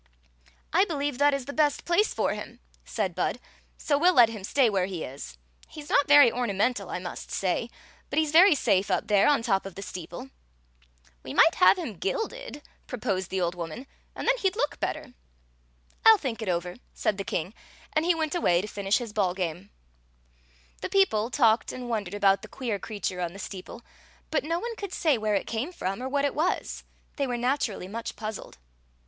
" I believe that is the best place for him," said Bud ;" so we '11 let him stay where he is. He 's not very ornamental, I must say, but he *s very safe up there on top of the steeple" "We m'ight have him gilded," proposed the old woman, "and then he 'd look better." " I '11 think it over," said the king, and he went away :.o finish his ball game. aia Queen ZJod of Ix; or, the The people talked and wondered about the queer creature on the steeple, but no one could say where it came from or what it was; they were naturally much puzzled.